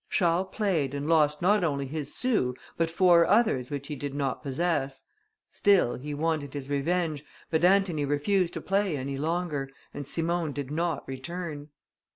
Charles played, and lost not only his sou, but four others which he did not possess; still he wanted his revenge, but Antony refused to play any longer, and Simon did not return.